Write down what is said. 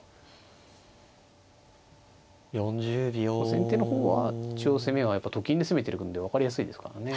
先手の方は攻めはと金で攻めてるんで分かりやすいですからね。